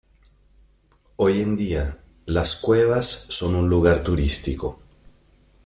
Hoy en día, las cuevas son un lugar turístico.